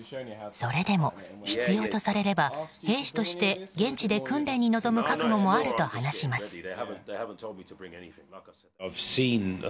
それでも必要とされれば兵士として現地で訓練に臨む覚悟もあると話します。